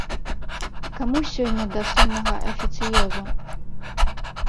Каму сёння да сумнага афіцыёзу.